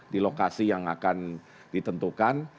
di lokasi yang akan ditentukan